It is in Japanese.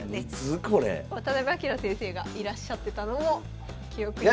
渡辺明先生がいらっしゃってたのも。